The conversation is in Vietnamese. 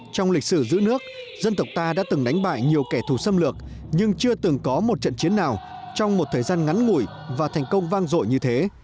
trong lịch sử giữ nước dân tộc ta đã từng đánh bại nhiều kẻ thù xâm lược nhưng chưa từng có một trận chiến nào trong một thời gian ngắn ngủi và thành công vang dội như thế